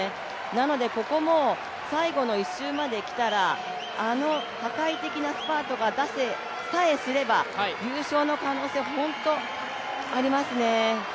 なので、ここも最後の１周まで来たら、あの破壊的なスパートが出せさえすれば、優勝の可能性、本当ありますね。